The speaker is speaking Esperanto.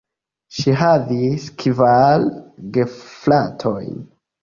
Ŝi havis kvar gefratojn.